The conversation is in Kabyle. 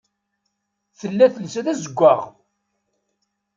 Tella telsa d azeggaɣ.